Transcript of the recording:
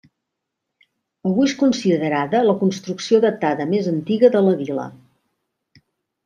Avui és considerada la construcció datada més antiga de la vila.